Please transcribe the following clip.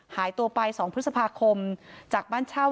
หายตัวไป๒พฤษภาคมจากบ้านเช่า